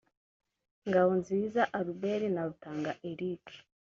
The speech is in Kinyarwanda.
Ngabonziza Albert na Rutanga Eric